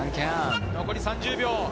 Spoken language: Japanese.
残り３０秒。